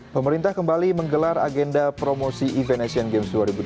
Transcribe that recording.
pemerintah kembali menggelar agenda promosi event asian games dua ribu delapan belas